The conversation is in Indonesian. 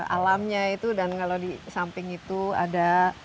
alamnya itu dan kalau di samping itu ada